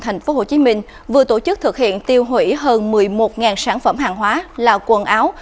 cục quản lý thị trưởng tp hcm vừa tổ chức thực hiện tiêu hủy hơn một mươi một sản phẩm hàng hóa là quần áo